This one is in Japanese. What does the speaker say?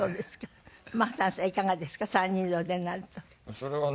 それはね